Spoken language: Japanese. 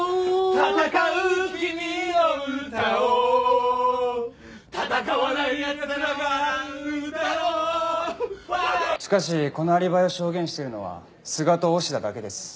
「闘う君の唄を闘わない奴等が笑うだろう」しかしこのアリバイを証言しているのは須賀と押田だけです。